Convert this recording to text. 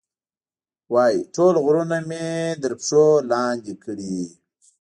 وایي، ټول غرونه مې تر پښو لاندې کړي.